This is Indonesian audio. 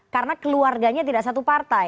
karena keluarganya tidak satu partai